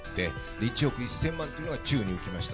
１億１０００万というのが宙に浮きました。